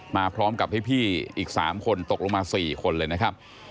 มาพร้อมกับพี่อีก๓คนตกลงมา๔คนเลยนะครับ